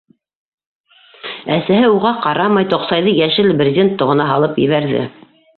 Әсәһе, уға ҡарамай, тоҡсайҙы йәшел брезент тоғона һалып ебәрҙе.